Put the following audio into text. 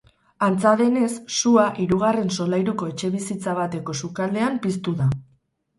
Antza denez, sua hirugarren solairuko etxebizitza bateko sukaldean piztu da.